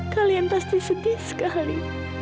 kalian pasti sedih sekali